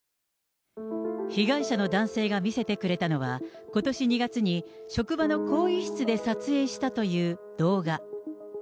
被害者の男性が見せてくれたのは、ことし２月に職場の更衣室で撮影したという動画。